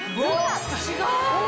違う！